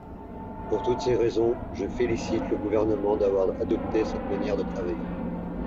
Pour toutes ces raisons, je félicite le Gouvernement d’avoir adopté cette manière de travailler.